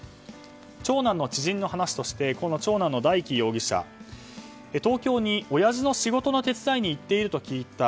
長男の知人の話として長男の大祈容疑者は東京に親父の仕事の手伝いに行っていると聞いた。